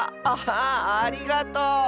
ありがとう！